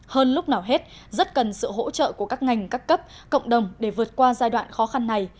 hơn lúc nào hết rất cần sự hỗ trợ của các ngành các cấp cộng đồng để vượt qua giai đoạn khó khăn này